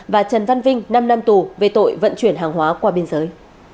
và trần văn vinh năm năm tù về tội vận chuyển hàng hóa qua biên giới